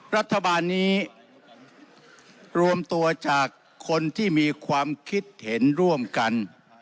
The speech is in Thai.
รัฐบาลนี้รวมตัวจากคนที่มีความคิดเห็นร่วมกัน